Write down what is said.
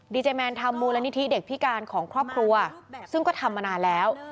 เจแมนทำมูลนิธิเด็กพิการของครอบครัวซึ่งก็ทำมานานแล้ว